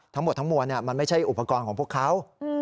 ทั้งหมดทั้งมวลมันไม่ใช่อุปกรณ์ของพวกเขา